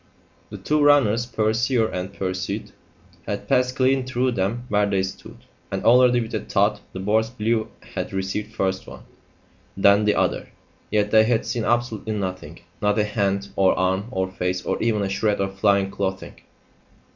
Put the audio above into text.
The two runners, pursuer and pursued, had passed clean through them where they stood, and already with a thud the boards below had received first one, then the other. Yet they had seen absolutely nothing not a hand, or arm, or face, or even a shred of flying clothing.